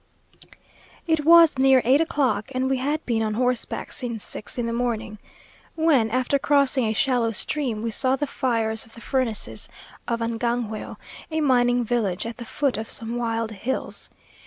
It was near eight o'clock (and we had been on horseback since six in the morning), when, after crossing a shallow stream, we saw the fires of the furnaces of Angangueo, a mining village, at the foot of some wild hills.